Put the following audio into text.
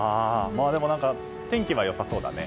でも、天気は良さそうだね。